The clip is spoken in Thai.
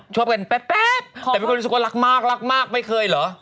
ชอบกันแป๊บแต่เป็นคนรู้สึกว่ารักมากรักมากไม่เคยเหรอ